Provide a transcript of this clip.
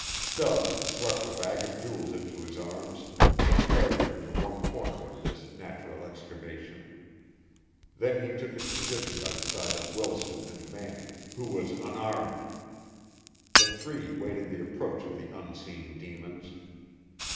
Stubbs swept the bags of jewels into his arms and carried them to one corner of this natural excavation. Then he took his position by the side of Wilson and Manning, who was unarmed. The three waited the approach of the unseen demons.